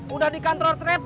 udah di kantor trepo